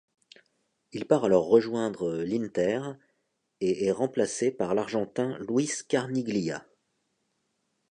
Il part alors rejoindre l'Inter et est remplacé par l'argentin Luis Carniglia.